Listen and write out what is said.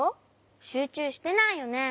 しゅうちゅうしてないよね？